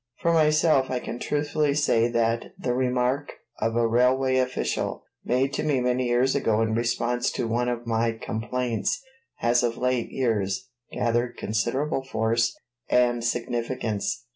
For myself, I can truthfully say that the remark of a railway official made to me many years ago in response to one of my complaints has of late years gathered considerable force and significance.